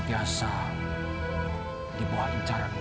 dan aku harap